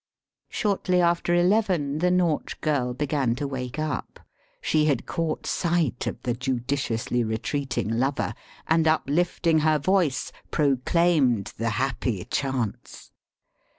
Shortly after eleven the Nautch girl began to wake up. She had caught sight of the judiciously retreating lover, and, uplifting her voice, proclaimed the happy chance.